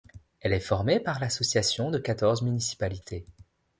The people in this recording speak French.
Elle est formée par l'association de quatorze municipalités.